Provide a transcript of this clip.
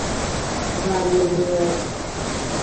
gaa rụọ obere ọrụ